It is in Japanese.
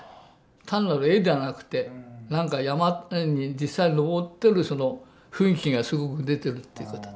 単なる絵ではなくて何か山に実際に登ってる雰囲気がすごく出てるっていうことで。